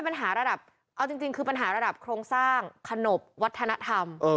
เออเอาจริงคือปัญหาระดับโครงสร้างคณบวัฒณธรรม